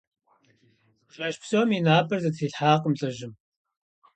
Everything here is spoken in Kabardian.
Жэщ псом и напӀэр зэтрилъхьакъым лӀыжьым.